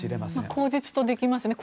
口実にできますね。